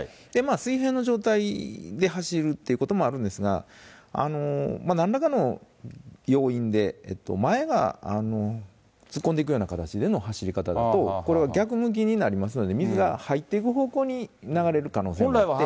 水平の状態で走るっていうこともあるんですが、なんらかの要因で、前が突っ込んでいくような形での走り方だと、これは逆向きになりますので、水が入っていく方向に流れる可能性もあって。